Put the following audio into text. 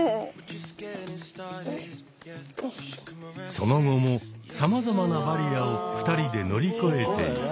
その後もさまざまなバリアを２人で乗り越えていき。